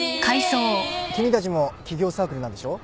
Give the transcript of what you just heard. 君たちも起業サークルなんでしょ？